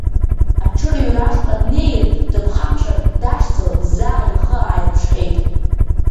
Аҽырҩра ашҟа днеир, дыԥхамшьартә, дашьцылт, заа ихы ааирԥшхьеит.